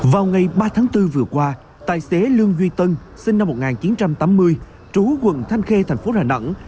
vào ngày ba tháng bốn vừa qua tài xế lương duy tân sinh năm một nghìn chín trăm tám mươi trú quận thanh khê thành phố đà nẵng